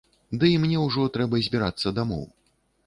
Ды і мне ўжо трэба збірацца дамоў.